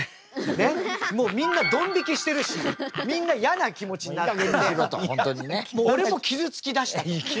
ねっもうみんなドン引きしてるしみんなやな気持ちになっててもう俺も傷つきだしたと。